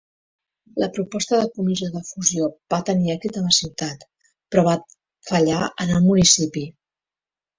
La proposta de comissió de fusió va tenir èxit a la ciutat, però va fallar en el municipi.